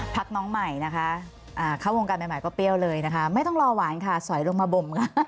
พักน้องใหม่นะคะเข้าวงการใหม่ก็เปรี้ยวเลยนะคะไม่ต้องรอหวานค่ะสอยลงมาบมค่ะ